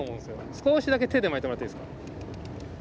少しだけ手で巻いてもらっていいですか？